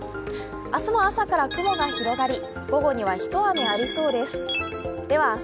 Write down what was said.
明日も朝から雲が広がり、午後には一雨ありそうです。